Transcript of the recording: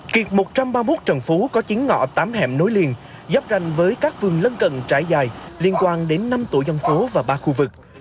kiệt một trăm ba mươi một trần phú có chín ngõ tám hẻm nối liền dắp rành với các phương lân cận trái dài liên quan đến năm tổ dân phố và ba khu vực